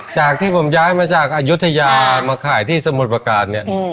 จากที่ผมย้ายมาจากอายุทยามาขายที่สมุทรประการเนี่ย